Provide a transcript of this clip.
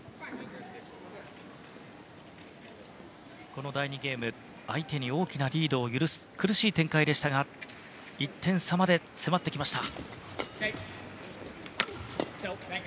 この第２ゲームは相手に大きなリードを許す苦しい展開でしたが１点差まで迫ってきました。